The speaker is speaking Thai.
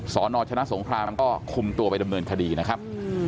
สนชนะสงครามก็คุมตัวไปดำเนินคดีนะครับ